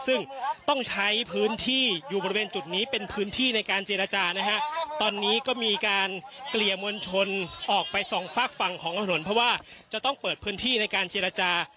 ซึ่งต้องใช้พื้นที่อยู่บริเวณจุดนี้เป็นพื้นที่ในการเจรจานะฮะตอนนี้ก็มีการเกลี่ยมวลชนออกไปสองฝากฝั่งของถนนเพราะว่าจะต้องเปิดพื้นที่ในการเจรจา